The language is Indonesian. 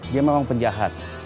dia memang penjahat